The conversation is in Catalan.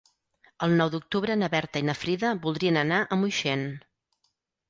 El nou d'octubre na Berta i na Frida voldrien anar a Moixent.